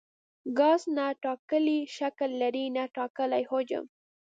ګاز نه ټاکلی شکل لري نه ټاکلی حجم.